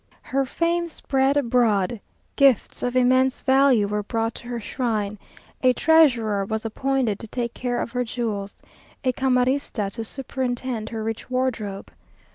Her fame spread abroad. Gifts of immense value were brought to her shrine. A treasurer was appointed to take care of her jewels; a camarista to superintend her rich wardrobe.